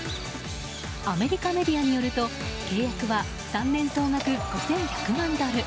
アメリカメディアによると契約は３年総額５１００万ドル。